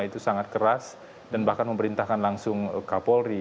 itu sangat keras dan bahkan memerintahkan langsung kapolri